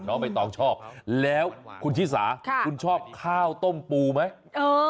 น้องไปต่อชอบแล้วคุณชิสาคุณชอบข้าวโต้มปูไหม